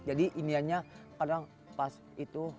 jadi indianya kadang pas itu